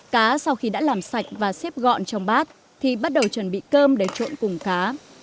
cá sau khi đã làm sạch và xếp gọn trong bát thì bắt đầu chuẩn bị cơm để trộn cùng cá